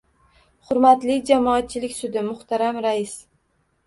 — Hurmatli jamoatchilik sudi, muhtaram rais